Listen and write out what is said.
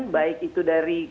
baik itu dari kppbd